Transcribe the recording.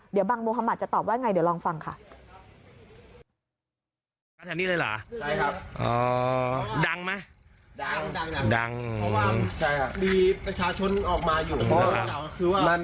เดี๋ยวบังมฮมัตรจะตอบว่าอย่างไรเดี๋ยวลองฟังค่ะ